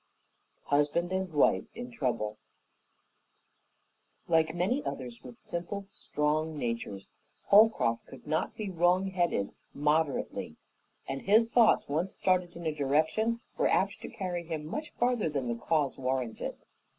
Husband and Wife in Trouble Like many others with simple, strong natures, Holcroft could not be wrong headed moderately, and his thoughts, once started in a direction were apt to carry him much farther than the cause warranted.